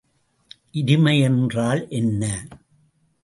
இருமை என்றால் என்ன?